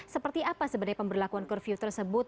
seperti apa sebenarnya pemberlakuan corfew tersebut